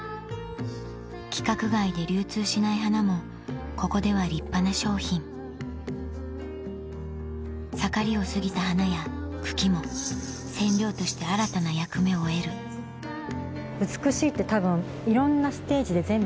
規格外で流通しない花もここでは立派な商品盛りを過ぎた花や茎も染料として新たな役目を得る美しいって多分いろんなステージで。